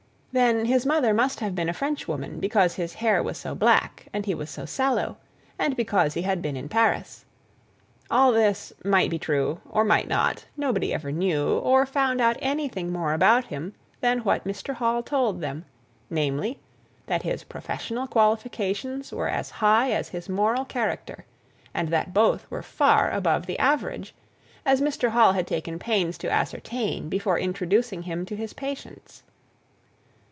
Then his mother must have been a Frenchwoman, because his hair was so black; and he was so sallow; and because he had been in Paris. All this might be true, or might not; nobody ever knew, or found out anything more about him than what Mr. Hall told them, namely, that his professional qualifications were as high as his moral character, and that both were far above the average, as Mr. Hall had taken pains to ascertain before introducing him to his patients.